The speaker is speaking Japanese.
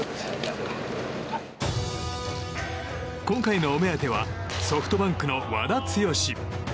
今回のお目当てはソフトバンクの和田毅。